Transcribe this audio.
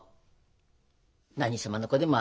何様の子でもあるまいし。